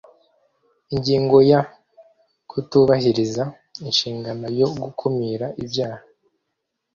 ingingo ya kutubahiriza inshingano yo gukumira ibyaha